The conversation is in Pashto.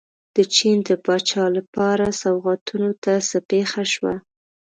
د چین د پاچا لپاره سوغاتونو ته څه پېښه شوه.